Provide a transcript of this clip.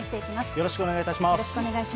よろしくお願いします。